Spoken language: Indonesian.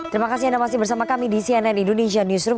terima kasih anda masih bersama kami di cnn indonesia newsroom